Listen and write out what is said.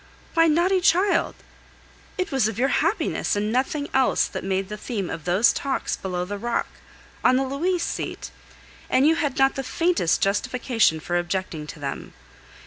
Why, naughty child, it was of your happiness, and nothing else, that made the theme of those talks below the rock, on the "Louise" seat, and you had not the faintest justification for objecting to them.